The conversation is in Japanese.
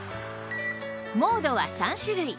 モードは３種類